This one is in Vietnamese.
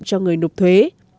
cho người nục thuế